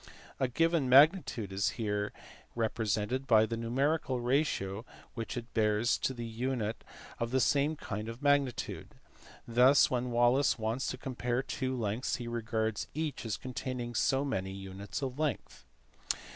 A given magnitude is here represented by the numerical ratio which it bears to the unit of the same kind of magnitude: thus, when Wallis wants to compare two lengths he regards each as con taining so many units of length.